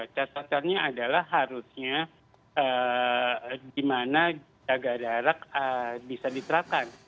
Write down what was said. catatannya adalah harusnya di mana jaga jarak bisa diterapkan